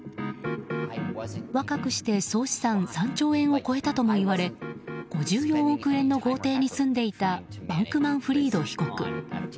若くして総資産３兆円を超えたともいわれ５４億円の豪邸に住んでいたバンクマンフリード被告。